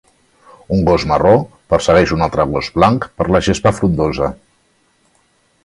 Un gos marró persegueix un altre gos blanc per la gespa frondosa